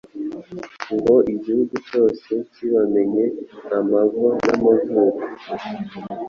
ngo igihugu cyose kibamenye amavo n'amavuko.